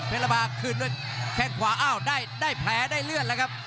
ละบาคืนด้วยแข้งขวาอ้าวได้แผลได้เลือดแล้วครับ